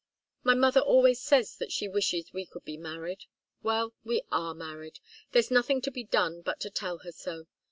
My mother always says that she wishes we could be married. Well we are married. There's nothing to be done but to tell her so.